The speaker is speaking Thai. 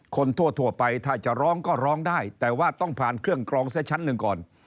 คนทั่วไปถ้าจะร้องก็ร้องได้แต่ว่าต้องผ่านเครื่องกรองเสียชั้นหนึ่งก่อน